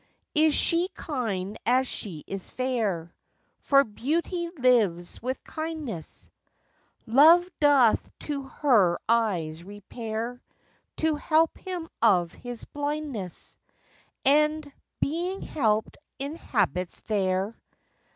Is she kind as she is fair? For beauty lives with kindness. Love doth to her eyes repair To help him of his blindness, And, being helped, inhabits there.